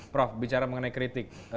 prof bicara mengenai kritik